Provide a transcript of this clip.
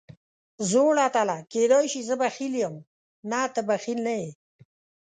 زوړ اتله، کېدای شي زه بخیل یم، نه ته بخیل نه یې.